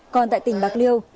còn tại tỉnh bạc liêu